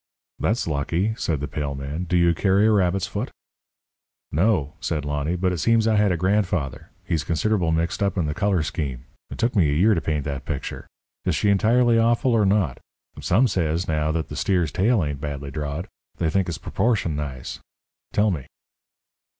"That's lucky," said the pale man. "Do you carry a rabbit's foot?" "No," said Lonny, "but it seems I had a grandfather. He's considerable mixed up in the colour scheme. It took me a year to paint that picture. Is she entirely awful or not? Some says, now, that the steer's tail ain't badly drawed. They think it's proportioned nice. Tell me."